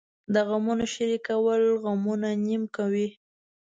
د غمونو شریکول غمونه نیم کموي .